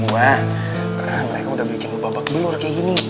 karena mereka udah bikin gue babak belur kayak gini